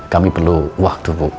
kami perlu waktu bu